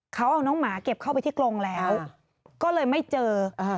เขาเอาน้องหมาเก็บเข้าไปที่กรงแล้วก็เลยไม่เจอ